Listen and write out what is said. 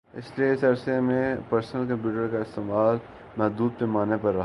اس لئے اس عرصے میں پرسنل کمپیوٹر کا استعمال محدود پیمانے پر رہا